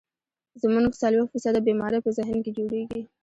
زمونږ څلوېښت فيصده بيمارۍ پۀ ذهن کښې جوړيږي